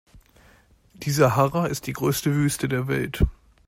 Die Sahara ist die größte Wüste der Welt.